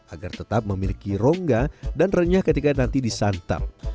agar tetap memiliki rongga dan renyah ketika nanti disantap